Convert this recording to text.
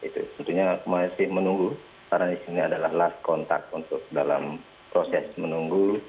tentunya masih menunggu karena disini adalah last contact untuk dalam proses menunggu